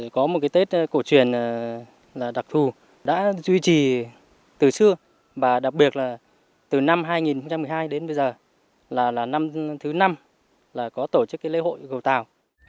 có một cái tết cổ truyền đặc thù đã duy trì từ xưa và đặc biệt là từ năm hai nghìn một mươi hai đến bây giờ là năm thứ năm là có tổ chức lễ hội cầu tàu